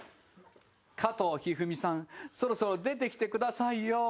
加藤一二三さんそろそろ出てきてくださいよ。